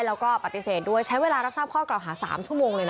แล้วก็ปฏิเสธด้วยใช้เวลารับทราบข้อกล่าวหา๓ชั่วโมงเลยนะ